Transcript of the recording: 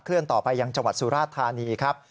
เคลื่อนต่อไปยังจังหวัดสุราธารณีครับ